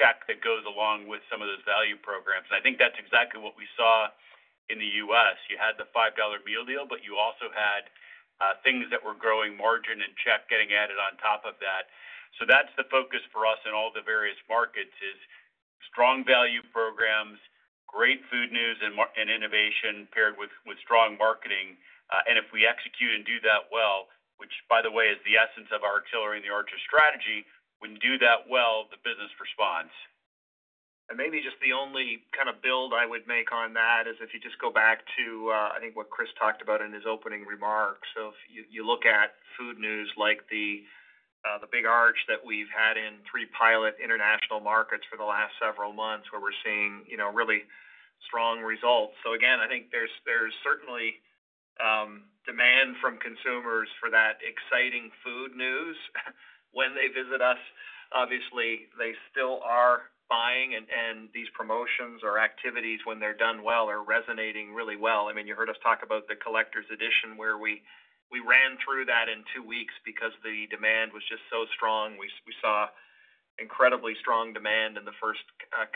check that goes along with some of those value programs, and I think that's exactly what we saw in the U.S. You had the $5 Meal Deal, but you also had things that were growing margin and check getting added on top of that, so that's the focus for us in all the various markets is strong value programs, great food news, and innovation paired with strong marketing. If we execute and do that well, which, by the way, is the essence of our Accelerating the Arches strategy, when you do that well, the business responds. Maybe just the only kind of build I would make on that is if you just go back to, I think, what Chris talked about in his opening remarks. If you look at food news like the Big Arch that we've had in three pilot international markets for the last several months where we're seeing really strong results. Again, I think there's certainly demand from consumers for that exciting food news when they visit us. Obviously, they still are buying, and these promotions or activities, when they're done well, are resonating really well. I mean, you heard us talk about the Collector's Edition where we ran through that in two weeks because the demand was just so strong. We saw incredibly strong demand in the first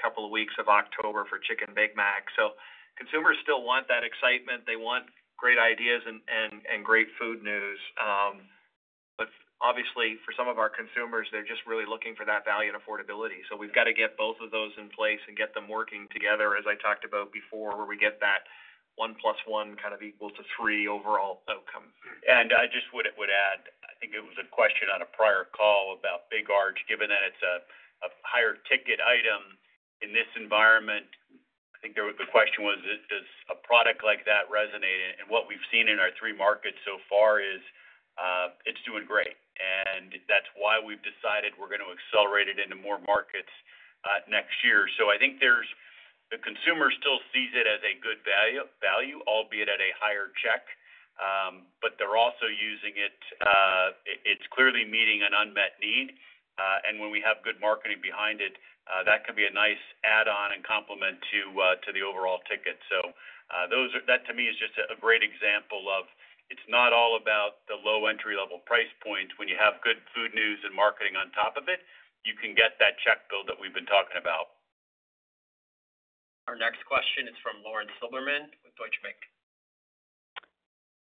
couple of weeks of October for Chicken Big Mac. So consumers still want that excitement. They want great ideas and great food news. But obviously, for some of our consumers, they're just really looking for that value and affordability. So we've got to get both of those in place and get them working together, as I talked about before, where we get that one plus one kind of equal to three overall outcome. And I just would add, I think it was a question on a prior call about Big Arch, given that it's a higher ticket item in this environment. I think the question was, does a product like that resonate? What we've seen in our three markets so far is it's doing great, and that's why we've decided we're going to accelerate it into more markets next year, so I think the consumer still sees it as a good value, albeit at a higher check, but they're also using it. It's clearly meeting an unmet need, and when we have good marketing behind it, that can be a nice add-on and complement to the overall ticket, so that, to me, is just a great example of it's not all about the low entry-level price point. When you have good food news and marketing on top of it, you can get that check build that we've been talking about. Our next question is from Lauren Silberman with Deutsche Bank.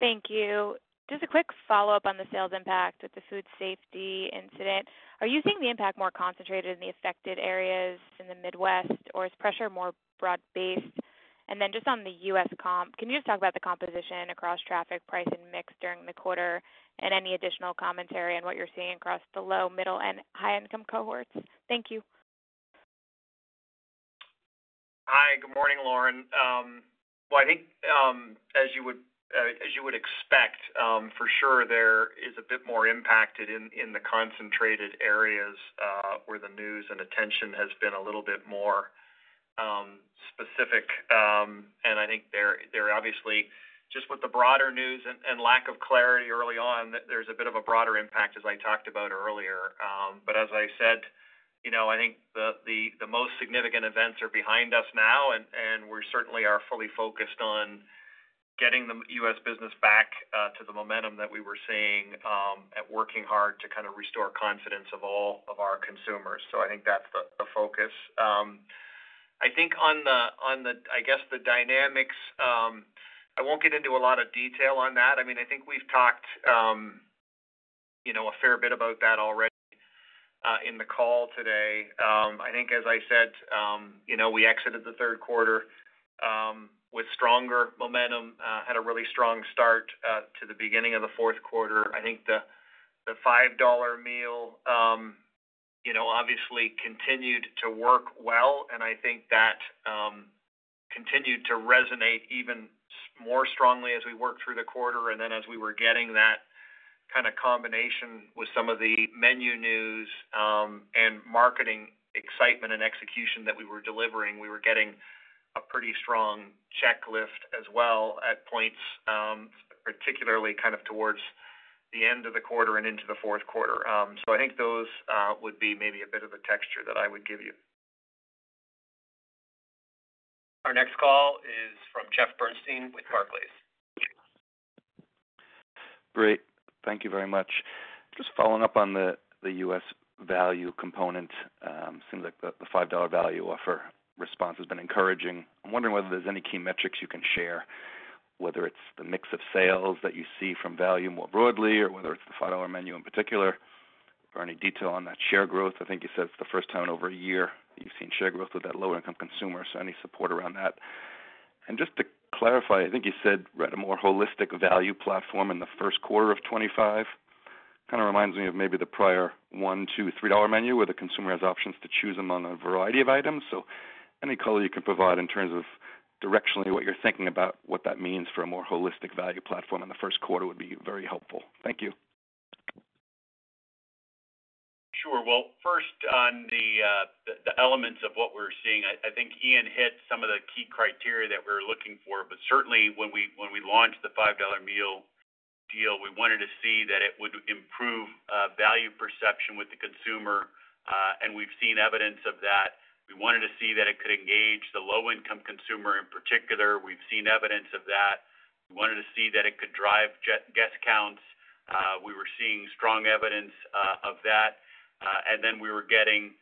Thank you. Just a quick follow-up on the sales impact with the food safety incident. Are you seeing the impact more concentrated in the affected areas in the Midwest, or is pressure more broad-based? And then just on the U.S. comp, can you just talk about the composition across traffic, price, and mix during the quarter and any additional commentary on what you're seeing across the low, middle, and high-income cohorts? Thank you. Hi, good morning, Lauren. Well, I think as you would expect, for sure, there is a bit more impacted in the concentrated areas where the news and attention has been a little bit more specific. And I think there obviously, just with the broader news and lack of clarity early on, there's a bit of a broader impact, as I talked about earlier. But as I said, I think the most significant events are behind us now, and we certainly are fully focused on getting the U.S. business back to the momentum that we were seeing and working hard to kind of restore confidence of all of our consumers. So I think that's the focus. I think on the, I guess, the dynamics. I won't get into a lot of detail on that. I mean, I think we've talked a fair bit about that already in the call today. I think, as I said, we exited the third quarter with stronger momentum, had a really strong start to the beginning of the fourth quarter. I think the $5 meal obviously continued to work well, and I think that continued to resonate even more strongly as we worked through the quarter. And then as we were getting that kind of combination with some of the menu news and marketing excitement and execution that we were delivering, we were getting a pretty strong check lift as well at points, particularly kind of towards the end of the quarter and into the fourth quarter. So I think those would be maybe a bit of the texture that I would give you. Our next call is from Jeff Bernstein with Barclays. Great. Thank you very much. Just following up on the U.S. value component, it seems like the $5 value offer response has been encouraging. I'm wondering whether there's any key metrics you can share, whether it's the mix of sales that you see from value more broadly or whether it's the $5 menu in particular, or any detail on that share growth. I think you said it's the first time in over a year that you've seen share growth with that lower-income consumer. So any support around that? And just to clarify, I think you said a more holistic value platform in the first quarter of 2025. Kind of reminds me of maybe the prior $1 $2 $3 Dollar Menu where the consumer has options to choose among a variety of items. So any color you can provide in terms of directionally what you're thinking about what that means for a more holistic value platform in the first quarter would be very helpful. Thank you. Sure. Well, first, on the elements of what we're seeing, I think Ian hit some of the key criteria that we're looking for. But certainly, when we launched the $5 Meal Deal, we wanted to see that it would improve value perception with the consumer. And we've seen evidence of that. We wanted to see that it could engage the low-income consumer in particular. We've seen evidence of that. We wanted to see that it could drive guest counts. We were seeing strong evidence of that. And then we were getting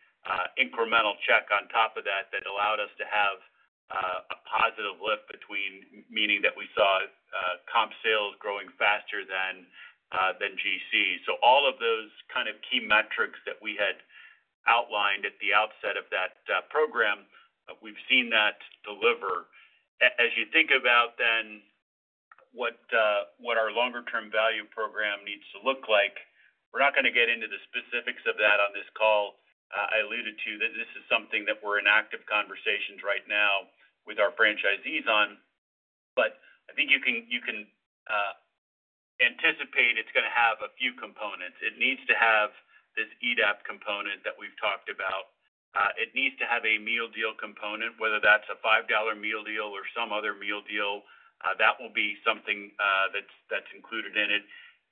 incremental check on top of that that allowed us to have a positive lift between, meaning that we saw comp sales growing faster than GC. So all of those kind of key metrics that we had outlined at the outset of that program, we've seen that deliver. As you think about then what our longer-term value program needs to look like, we're not going to get into the specifics of that on this call. I alluded to. This is something that we're in active conversations right now with our franchisees on. But I think you can anticipate it's going to have a few components. It needs to have this EDAP component that we've talked about. It needs to have a meal deal component, whether that's a $5 Meal Deal or some other meal deal. That will be something that's included in it.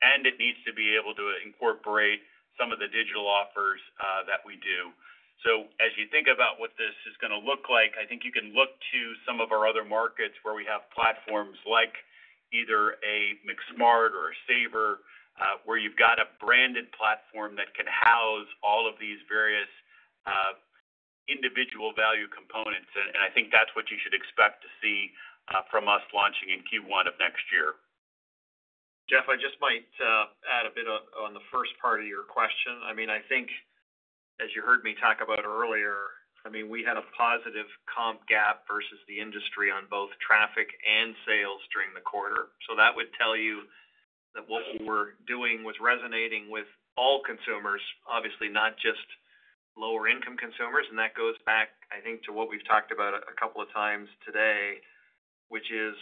And it needs to be able to incorporate some of the digital offers that we do. So as you think about what this is going to look like, I think you can look to some of our other markets where we have platforms like either a McSmart or a Saver where you've got a branded platform that can house all of these various individual value components. And I think that's what you should expect to see from us launching in Q1 of next year. Jeff, I just might add a bit on the first part of your question. I mean, I think, as you heard me talk about earlier, I mean, we had a positive comp gap versus the industry on both traffic and sales during the quarter. So that would tell you that what we were doing was resonating with all consumers, obviously, not just lower-income consumers. And that goes back, I think, to what we've talked about a couple of times today, which is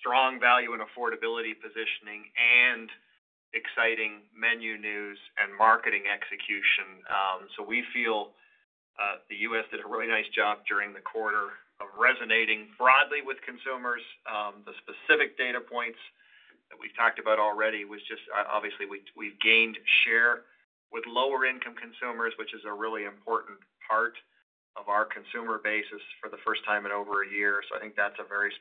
strong value and affordability positioning and exciting menu news and marketing execution. So we feel the U.S. did a really nice job during the quarter of resonating broadly with consumers. The specific data points that we've talked about already was just, obviously, we've gained share with lower-income consumers, which is a really important part of our consumer base for the first time in over a year. So I think that's a very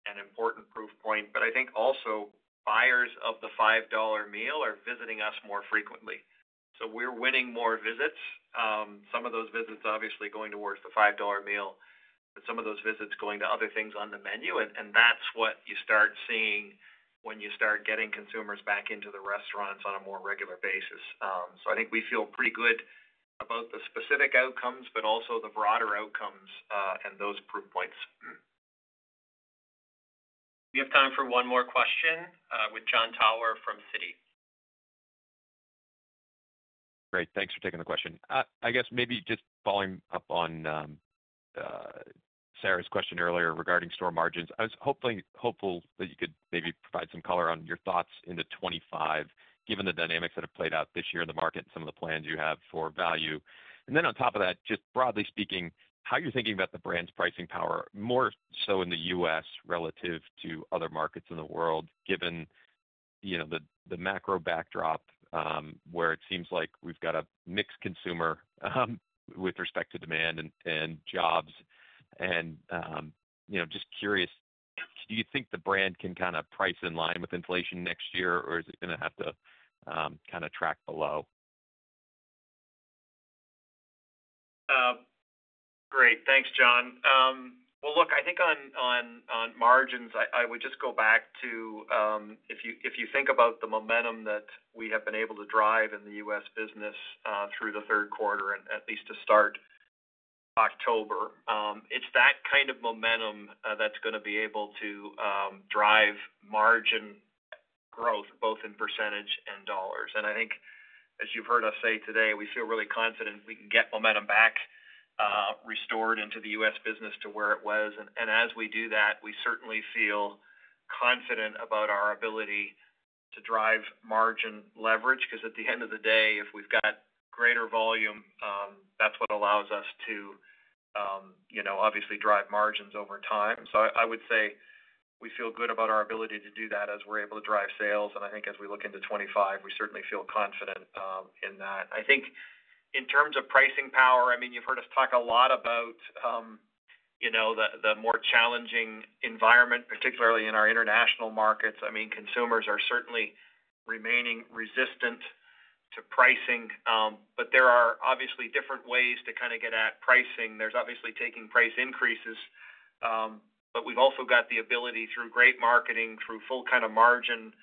specific and important proof point. But I think also buyers of the $5 meal are visiting us more frequently. So we're winning more visits. Some of those visits, obviously, going towards the $5 meal, but some of those visits going to other things on the menu. And that's what you start seeing when you start getting consumers back into the restaurants on a more regular basis. So I think we feel pretty good about the specific outcomes, but also the broader outcomes and those proof points. We have time for one more question with Jon Tower from Citi. Great. Thanks for taking the question. I guess maybe just following up on Sara's question earlier regarding store margins, I was hopeful that you could maybe provide some color on your thoughts into 2025, given the dynamics that have played out this year in the market and some of the plans you have for value. And then on top of that, just broadly speaking, how you're thinking about the brand's pricing power, more so in the U.S. relative to other markets in the world, given the macro backdrop where it seems like we've got a mixed consumer with respect to demand and jobs? And just curious, do you think the brand can kind of price in line with inflation next year, or is it going to have to kind of track below? Great. Thanks, John. Well, look, I think on margins, I would just go back to if you think about the momentum that we have been able to drive in the U.S. business through the third quarter, and at least to start October, it's that kind of momentum that's going to be able to drive margin growth, both in percentage and dollars. I think, as you've heard us say today, we feel really confident we can get momentum back restored into the U.S. business to where it was. And as we do that, we certainly feel confident about our ability to drive margin leverage because at the end of the day, if we've got greater volume, that's what allows us to obviously drive margins over time. So I would say we feel good about our ability to do that as we're able to drive sales. And I think as we look into 2025, we certainly feel confident in that. I think in terms of pricing power, I mean, you've heard us talk a lot about the more challenging environment, particularly in our international markets. I mean, consumers are certainly remaining resistant to pricing. But there are obviously different ways to kind of get at pricing. There's obviously taking price increases. But we've also got the ability through great marketing, through full-margin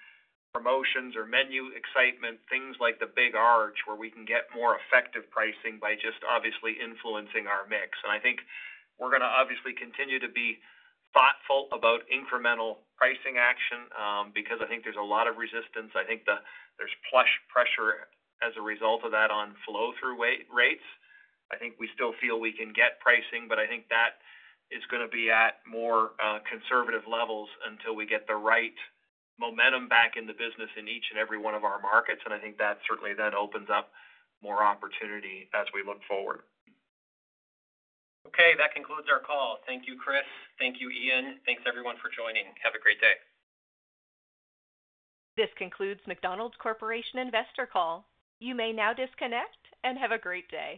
promotions or menu excitement, things like the Big Arch, where we can get more effective pricing by just obviously influencing our mix. And I think we're going to obviously continue to be thoughtful about incremental pricing action because I think there's a lot of resistance. I think there's push pressure as a result of that on flow-through rates. I think we still feel we can get pricing, but I think that is going to be at more conservative levels until we get the right momentum back in the business in each and every one of our markets. And I think that certainly then opens up more opportunity as we look forward. Okay. That concludes our call. Thank you, Chris. Thank you, Ian. Thanks, everyone, for joining. Have a great day. This concludes McDonald's Corporation Investor Call.You may now disconnect and have a great day.